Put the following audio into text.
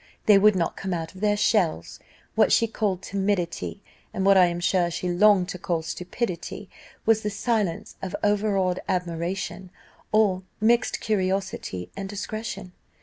They would not come out of their shells. What she called timidity, and what I am sure she longed to call stupidity, was the silence of overawed admiration, or mixed curiosity and discretion.